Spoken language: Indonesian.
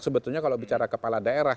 sebetulnya kalau bicara kepala daerah